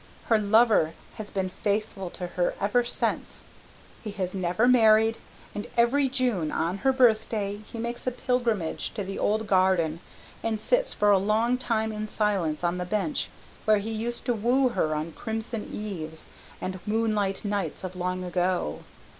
Her lover has been faithful to her ever since; he has never married, and every June, on her birthday, he makes a pilgrimage to the old garden and sits for a long time in silence on the bench where he used to woo her on crimson eves and moonlight nights of long ago.